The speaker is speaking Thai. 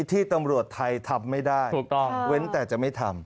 ที่ตำรวจไทยทำไม่ได้ถูกต้องเว้นแต่จะไม่ทำ